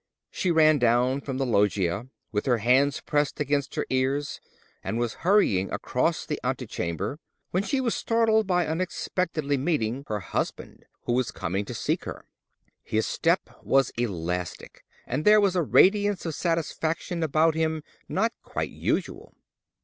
She ran down from the loggia, with her hands pressed against her ears, and was hurrying across the antechamber, when she was startled by unexpectedly meeting her husband, who was coming to seek her. His step was elastic, and there was a radiance of satisfaction about him not quite usual.